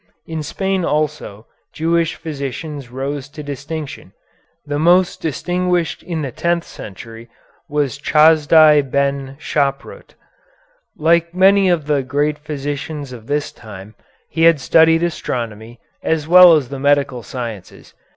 In Spain also Jewish physicians rose to distinction. The most distinguished in the tenth century was Chasdai Ben Schaprut. Like many other of the great physicians of this time, he had studied astronomy as well as the medical sciences.